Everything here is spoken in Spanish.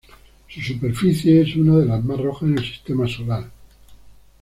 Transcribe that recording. Su superficie es una de las más rojas en el sistema solar.